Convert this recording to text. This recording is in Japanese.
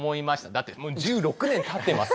だってもう１６年経ってます。